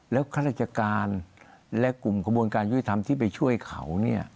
แล้วข้าราชการและกลุ่มกระบวนการยุติธรรมที่ไปช่วยเขา